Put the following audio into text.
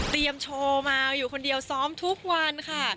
โชว์มาอยู่คนเดียวซ้อมทุกวันค่ะ